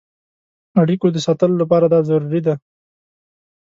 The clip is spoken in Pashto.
اړیکو د ساتلو لپاره دا ضروري ده.